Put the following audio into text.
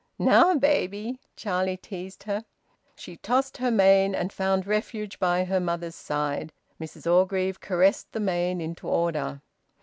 "Now, baby!" Charlie teased her. She tossed her mane, and found refuge by her mother's side. Mrs Orgreave caressed the mane into order.